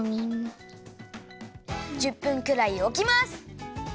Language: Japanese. １０分くらいおきます。